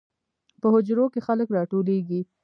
په حجرو کې خلک راټولیږي.